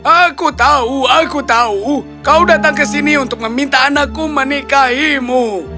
aku tahu aku tahu kau datang ke sini untuk meminta anakku menikahimu